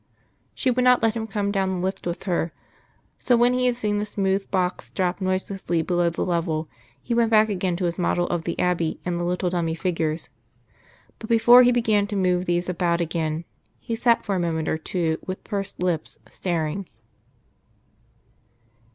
She would not let him come down the lift with her, so when he had seen the smooth box drop noiselessly below the level, he went back again to his model of the Abbey and the little dummy figures. But, before he began to move these about again, he sat for a moment or two with pursed lips, staring.